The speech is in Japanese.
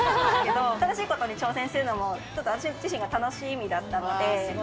だけど、新しいことを挑戦するのもちょっと私自身が楽しみだったので。